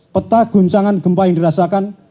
peta guncangan gempa yang dirasakan